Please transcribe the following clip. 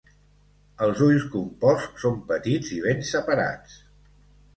Els ulls composts són petits i ben separats.